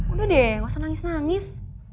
udah deh gak usah nangis nangis